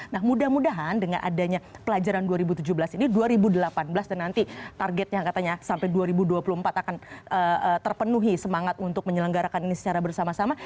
nah mudah mudahan dengan adanya pelajaran dua ribu tujuh belas ini dua ribu delapan belas dan nanti targetnya katanya sampai dua ribu dua puluh empat akan terpenuhi semangat untuk menyelenggarakan ini secara bersama sama